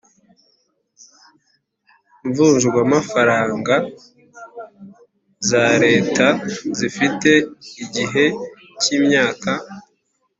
mvunjwamafaranga za Leta zifite igihe cy imyaka